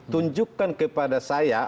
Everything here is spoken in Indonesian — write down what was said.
tunjukkan kepada saya